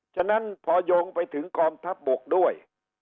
ฉะนั้นพอโยงไปถึงกองทัพบกด้วย